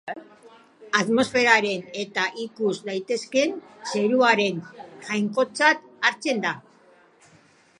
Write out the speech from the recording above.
Atmosferaren eta ikus daitekeen zeruaren jainkotzat hartzen da.